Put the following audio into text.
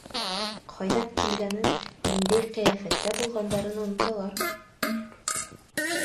Ҡайҙан килгәнен, ниндәй ҡиәфәттә булғандарын оноталар.